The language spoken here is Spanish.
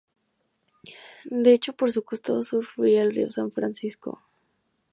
De hecho por su costado sur fluía el Río San Francisco.